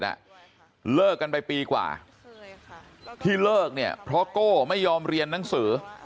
แล้วเลิกกันไปปีกว่าที่เลิกเนี่ยเพราะโก้ไม่ยอมเรียนหนังสือ